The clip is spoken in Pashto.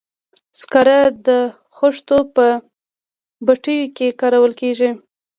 سکاره د خښتو په بټیو کې کارول کیږي.